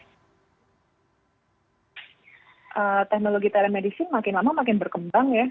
teknologi telemedicine makin lama makin berkembang ya